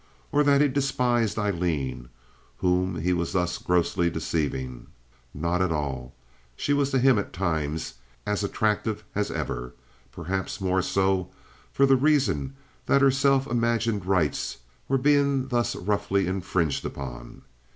Or that he despised Aileen, whom he was thus grossly deceiving? Not at all. She was to him at times as attractive as ever—perhaps more so for the reason that her self imagined rights were being thus roughly infringed upon.